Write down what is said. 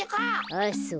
あっそう。